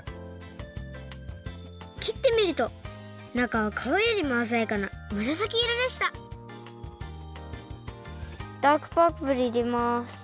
きってみるとなかはかわよりもあざやかなむらさきいろでしたダークパープルいれます。